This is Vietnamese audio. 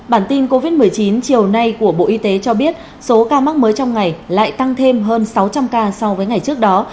bản tin covid một mươi chín chiều nay của bộ y tế cho biết số ca mắc mới trong ngày lại tăng thêm hơn sáu trăm linh ca so với ngày trước đó